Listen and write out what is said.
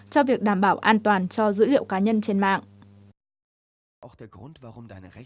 cho việc đảm bảo an toàn